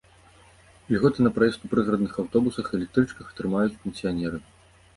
Ільготы на праезд у прыгарадных аўтобусах і электрычках атрымаюць пенсіянеры.